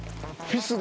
フィス？